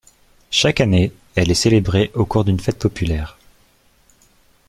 Chaque année, elle est célébrée au cours d'une fête populaire.